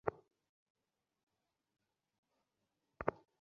আমি কিছুসময়ের জন্য ওয়াশরুমে যাচ্ছি।